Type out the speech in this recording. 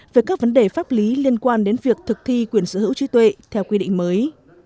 về các vấn đề pháp lý liên quan đến việc thực thi quyền sở hữu trí tuệ theo quy định mới